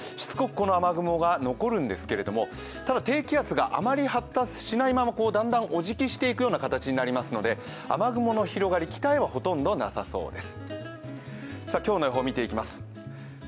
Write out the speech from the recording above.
この雨雲が残るんですけれどもただ低気圧があまり発達しないままだんだんお辞儀していくような形になりますので、雨雲の広がりは北日本にはなさそうです。